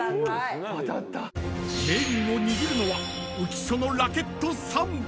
［命運を握るのは浮所のラケット３本］